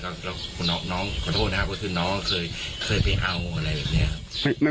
แล้วคุณน้องขอโทษนะครับเพราะคุณน้องเคยไปเอาอะไรแบบนี้ครับ